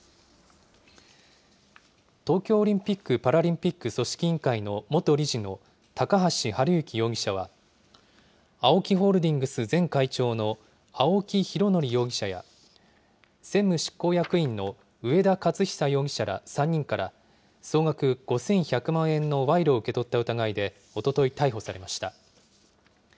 東京オリンピック・パラリンピック組織委員会の元理事の高橋治之容疑者は、ＡＯＫＩホールディングス前会長の青木拡憲容疑者や、専務執行役員の上田雄久容疑者ら３人から、総額５１００万円の賄賂を受け取った疑いで、おととい逮捕されました。